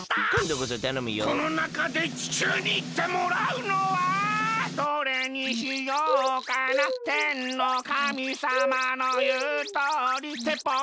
このなかで地球にいってもらうのはどれにしようかなてんのかみさまのいうとおりてっぽう